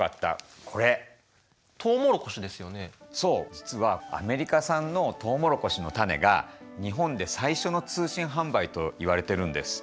実はアメリカ産のトウモロコシの種が日本で最初の通信販売といわれてるんです。